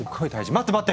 待って待って！